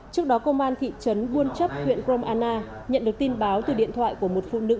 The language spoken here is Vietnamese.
trước đó công an thị trấn buôn chấp huyện krong anna nhận được tin báo từ điện thoại của một phụ nữ